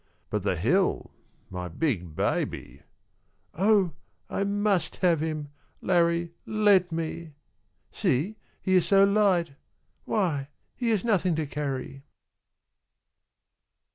"But the hill my big baby!" "Oh, I must have him Larrie, let me see, he is so light why, he is nothing to carry."